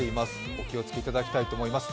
お気をつけいただきたいと思います。